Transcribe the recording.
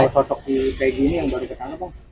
sosok si peggy ini yang baru ketangkep om